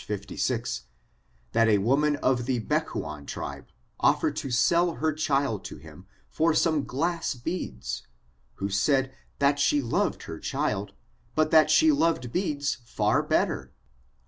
66, that a w6nmn of the Beohuan thbe, offered to sell her chitd to bim* for soi(ne glass beads, who said that she loved her child^ but that she loved beads far better.